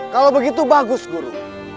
kalau begitu bagus guru